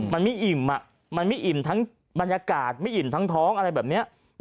มันไม่อิ่มมันไม่อิ่มทั้งบรรยากาศไม่อิ่มทั้งท้องอะไรแบบนี้